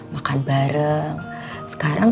makan bareng sekarang